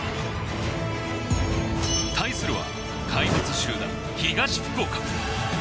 対するは、怪物集団、東福岡。